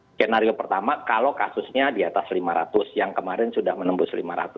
skenario pertama kalau kasusnya di atas lima ratus yang kemarin sudah menembus lima ratus